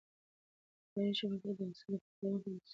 اداري شفافیت د فساد د پراخېدو مخه نیسي